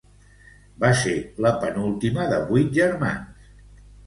Va ser la penúltima de vuit germans.